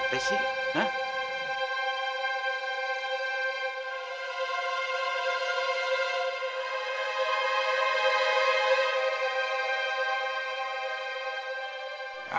nggak ada masalahnya